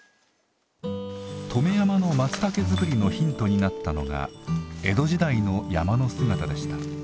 止山のまつたけ作りのヒントになったのが江戸時代の山の姿でした。